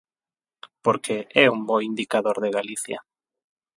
Porque é un bo indicador de Galicia.